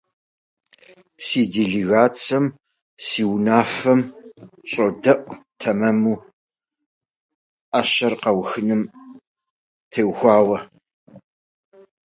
Моя делегация рассчитывает на его мудрое руководство в поступательном продвижении разоруженческого механизма.